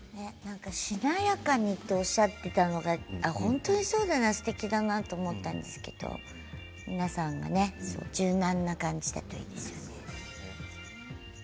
しなやかにとおっしゃっていたのは本当にそうだなとすてきだなと思ったんですけど皆さんが柔軟な感じだといいですよね。